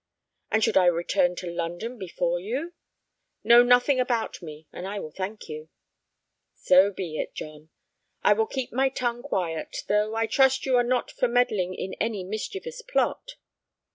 "And should I return to London before you?" "Know nothing about me, and I will thank you." "So be it, John; I will keep my tongue quiet, though I trust you are not for meddling in any mischievous plot."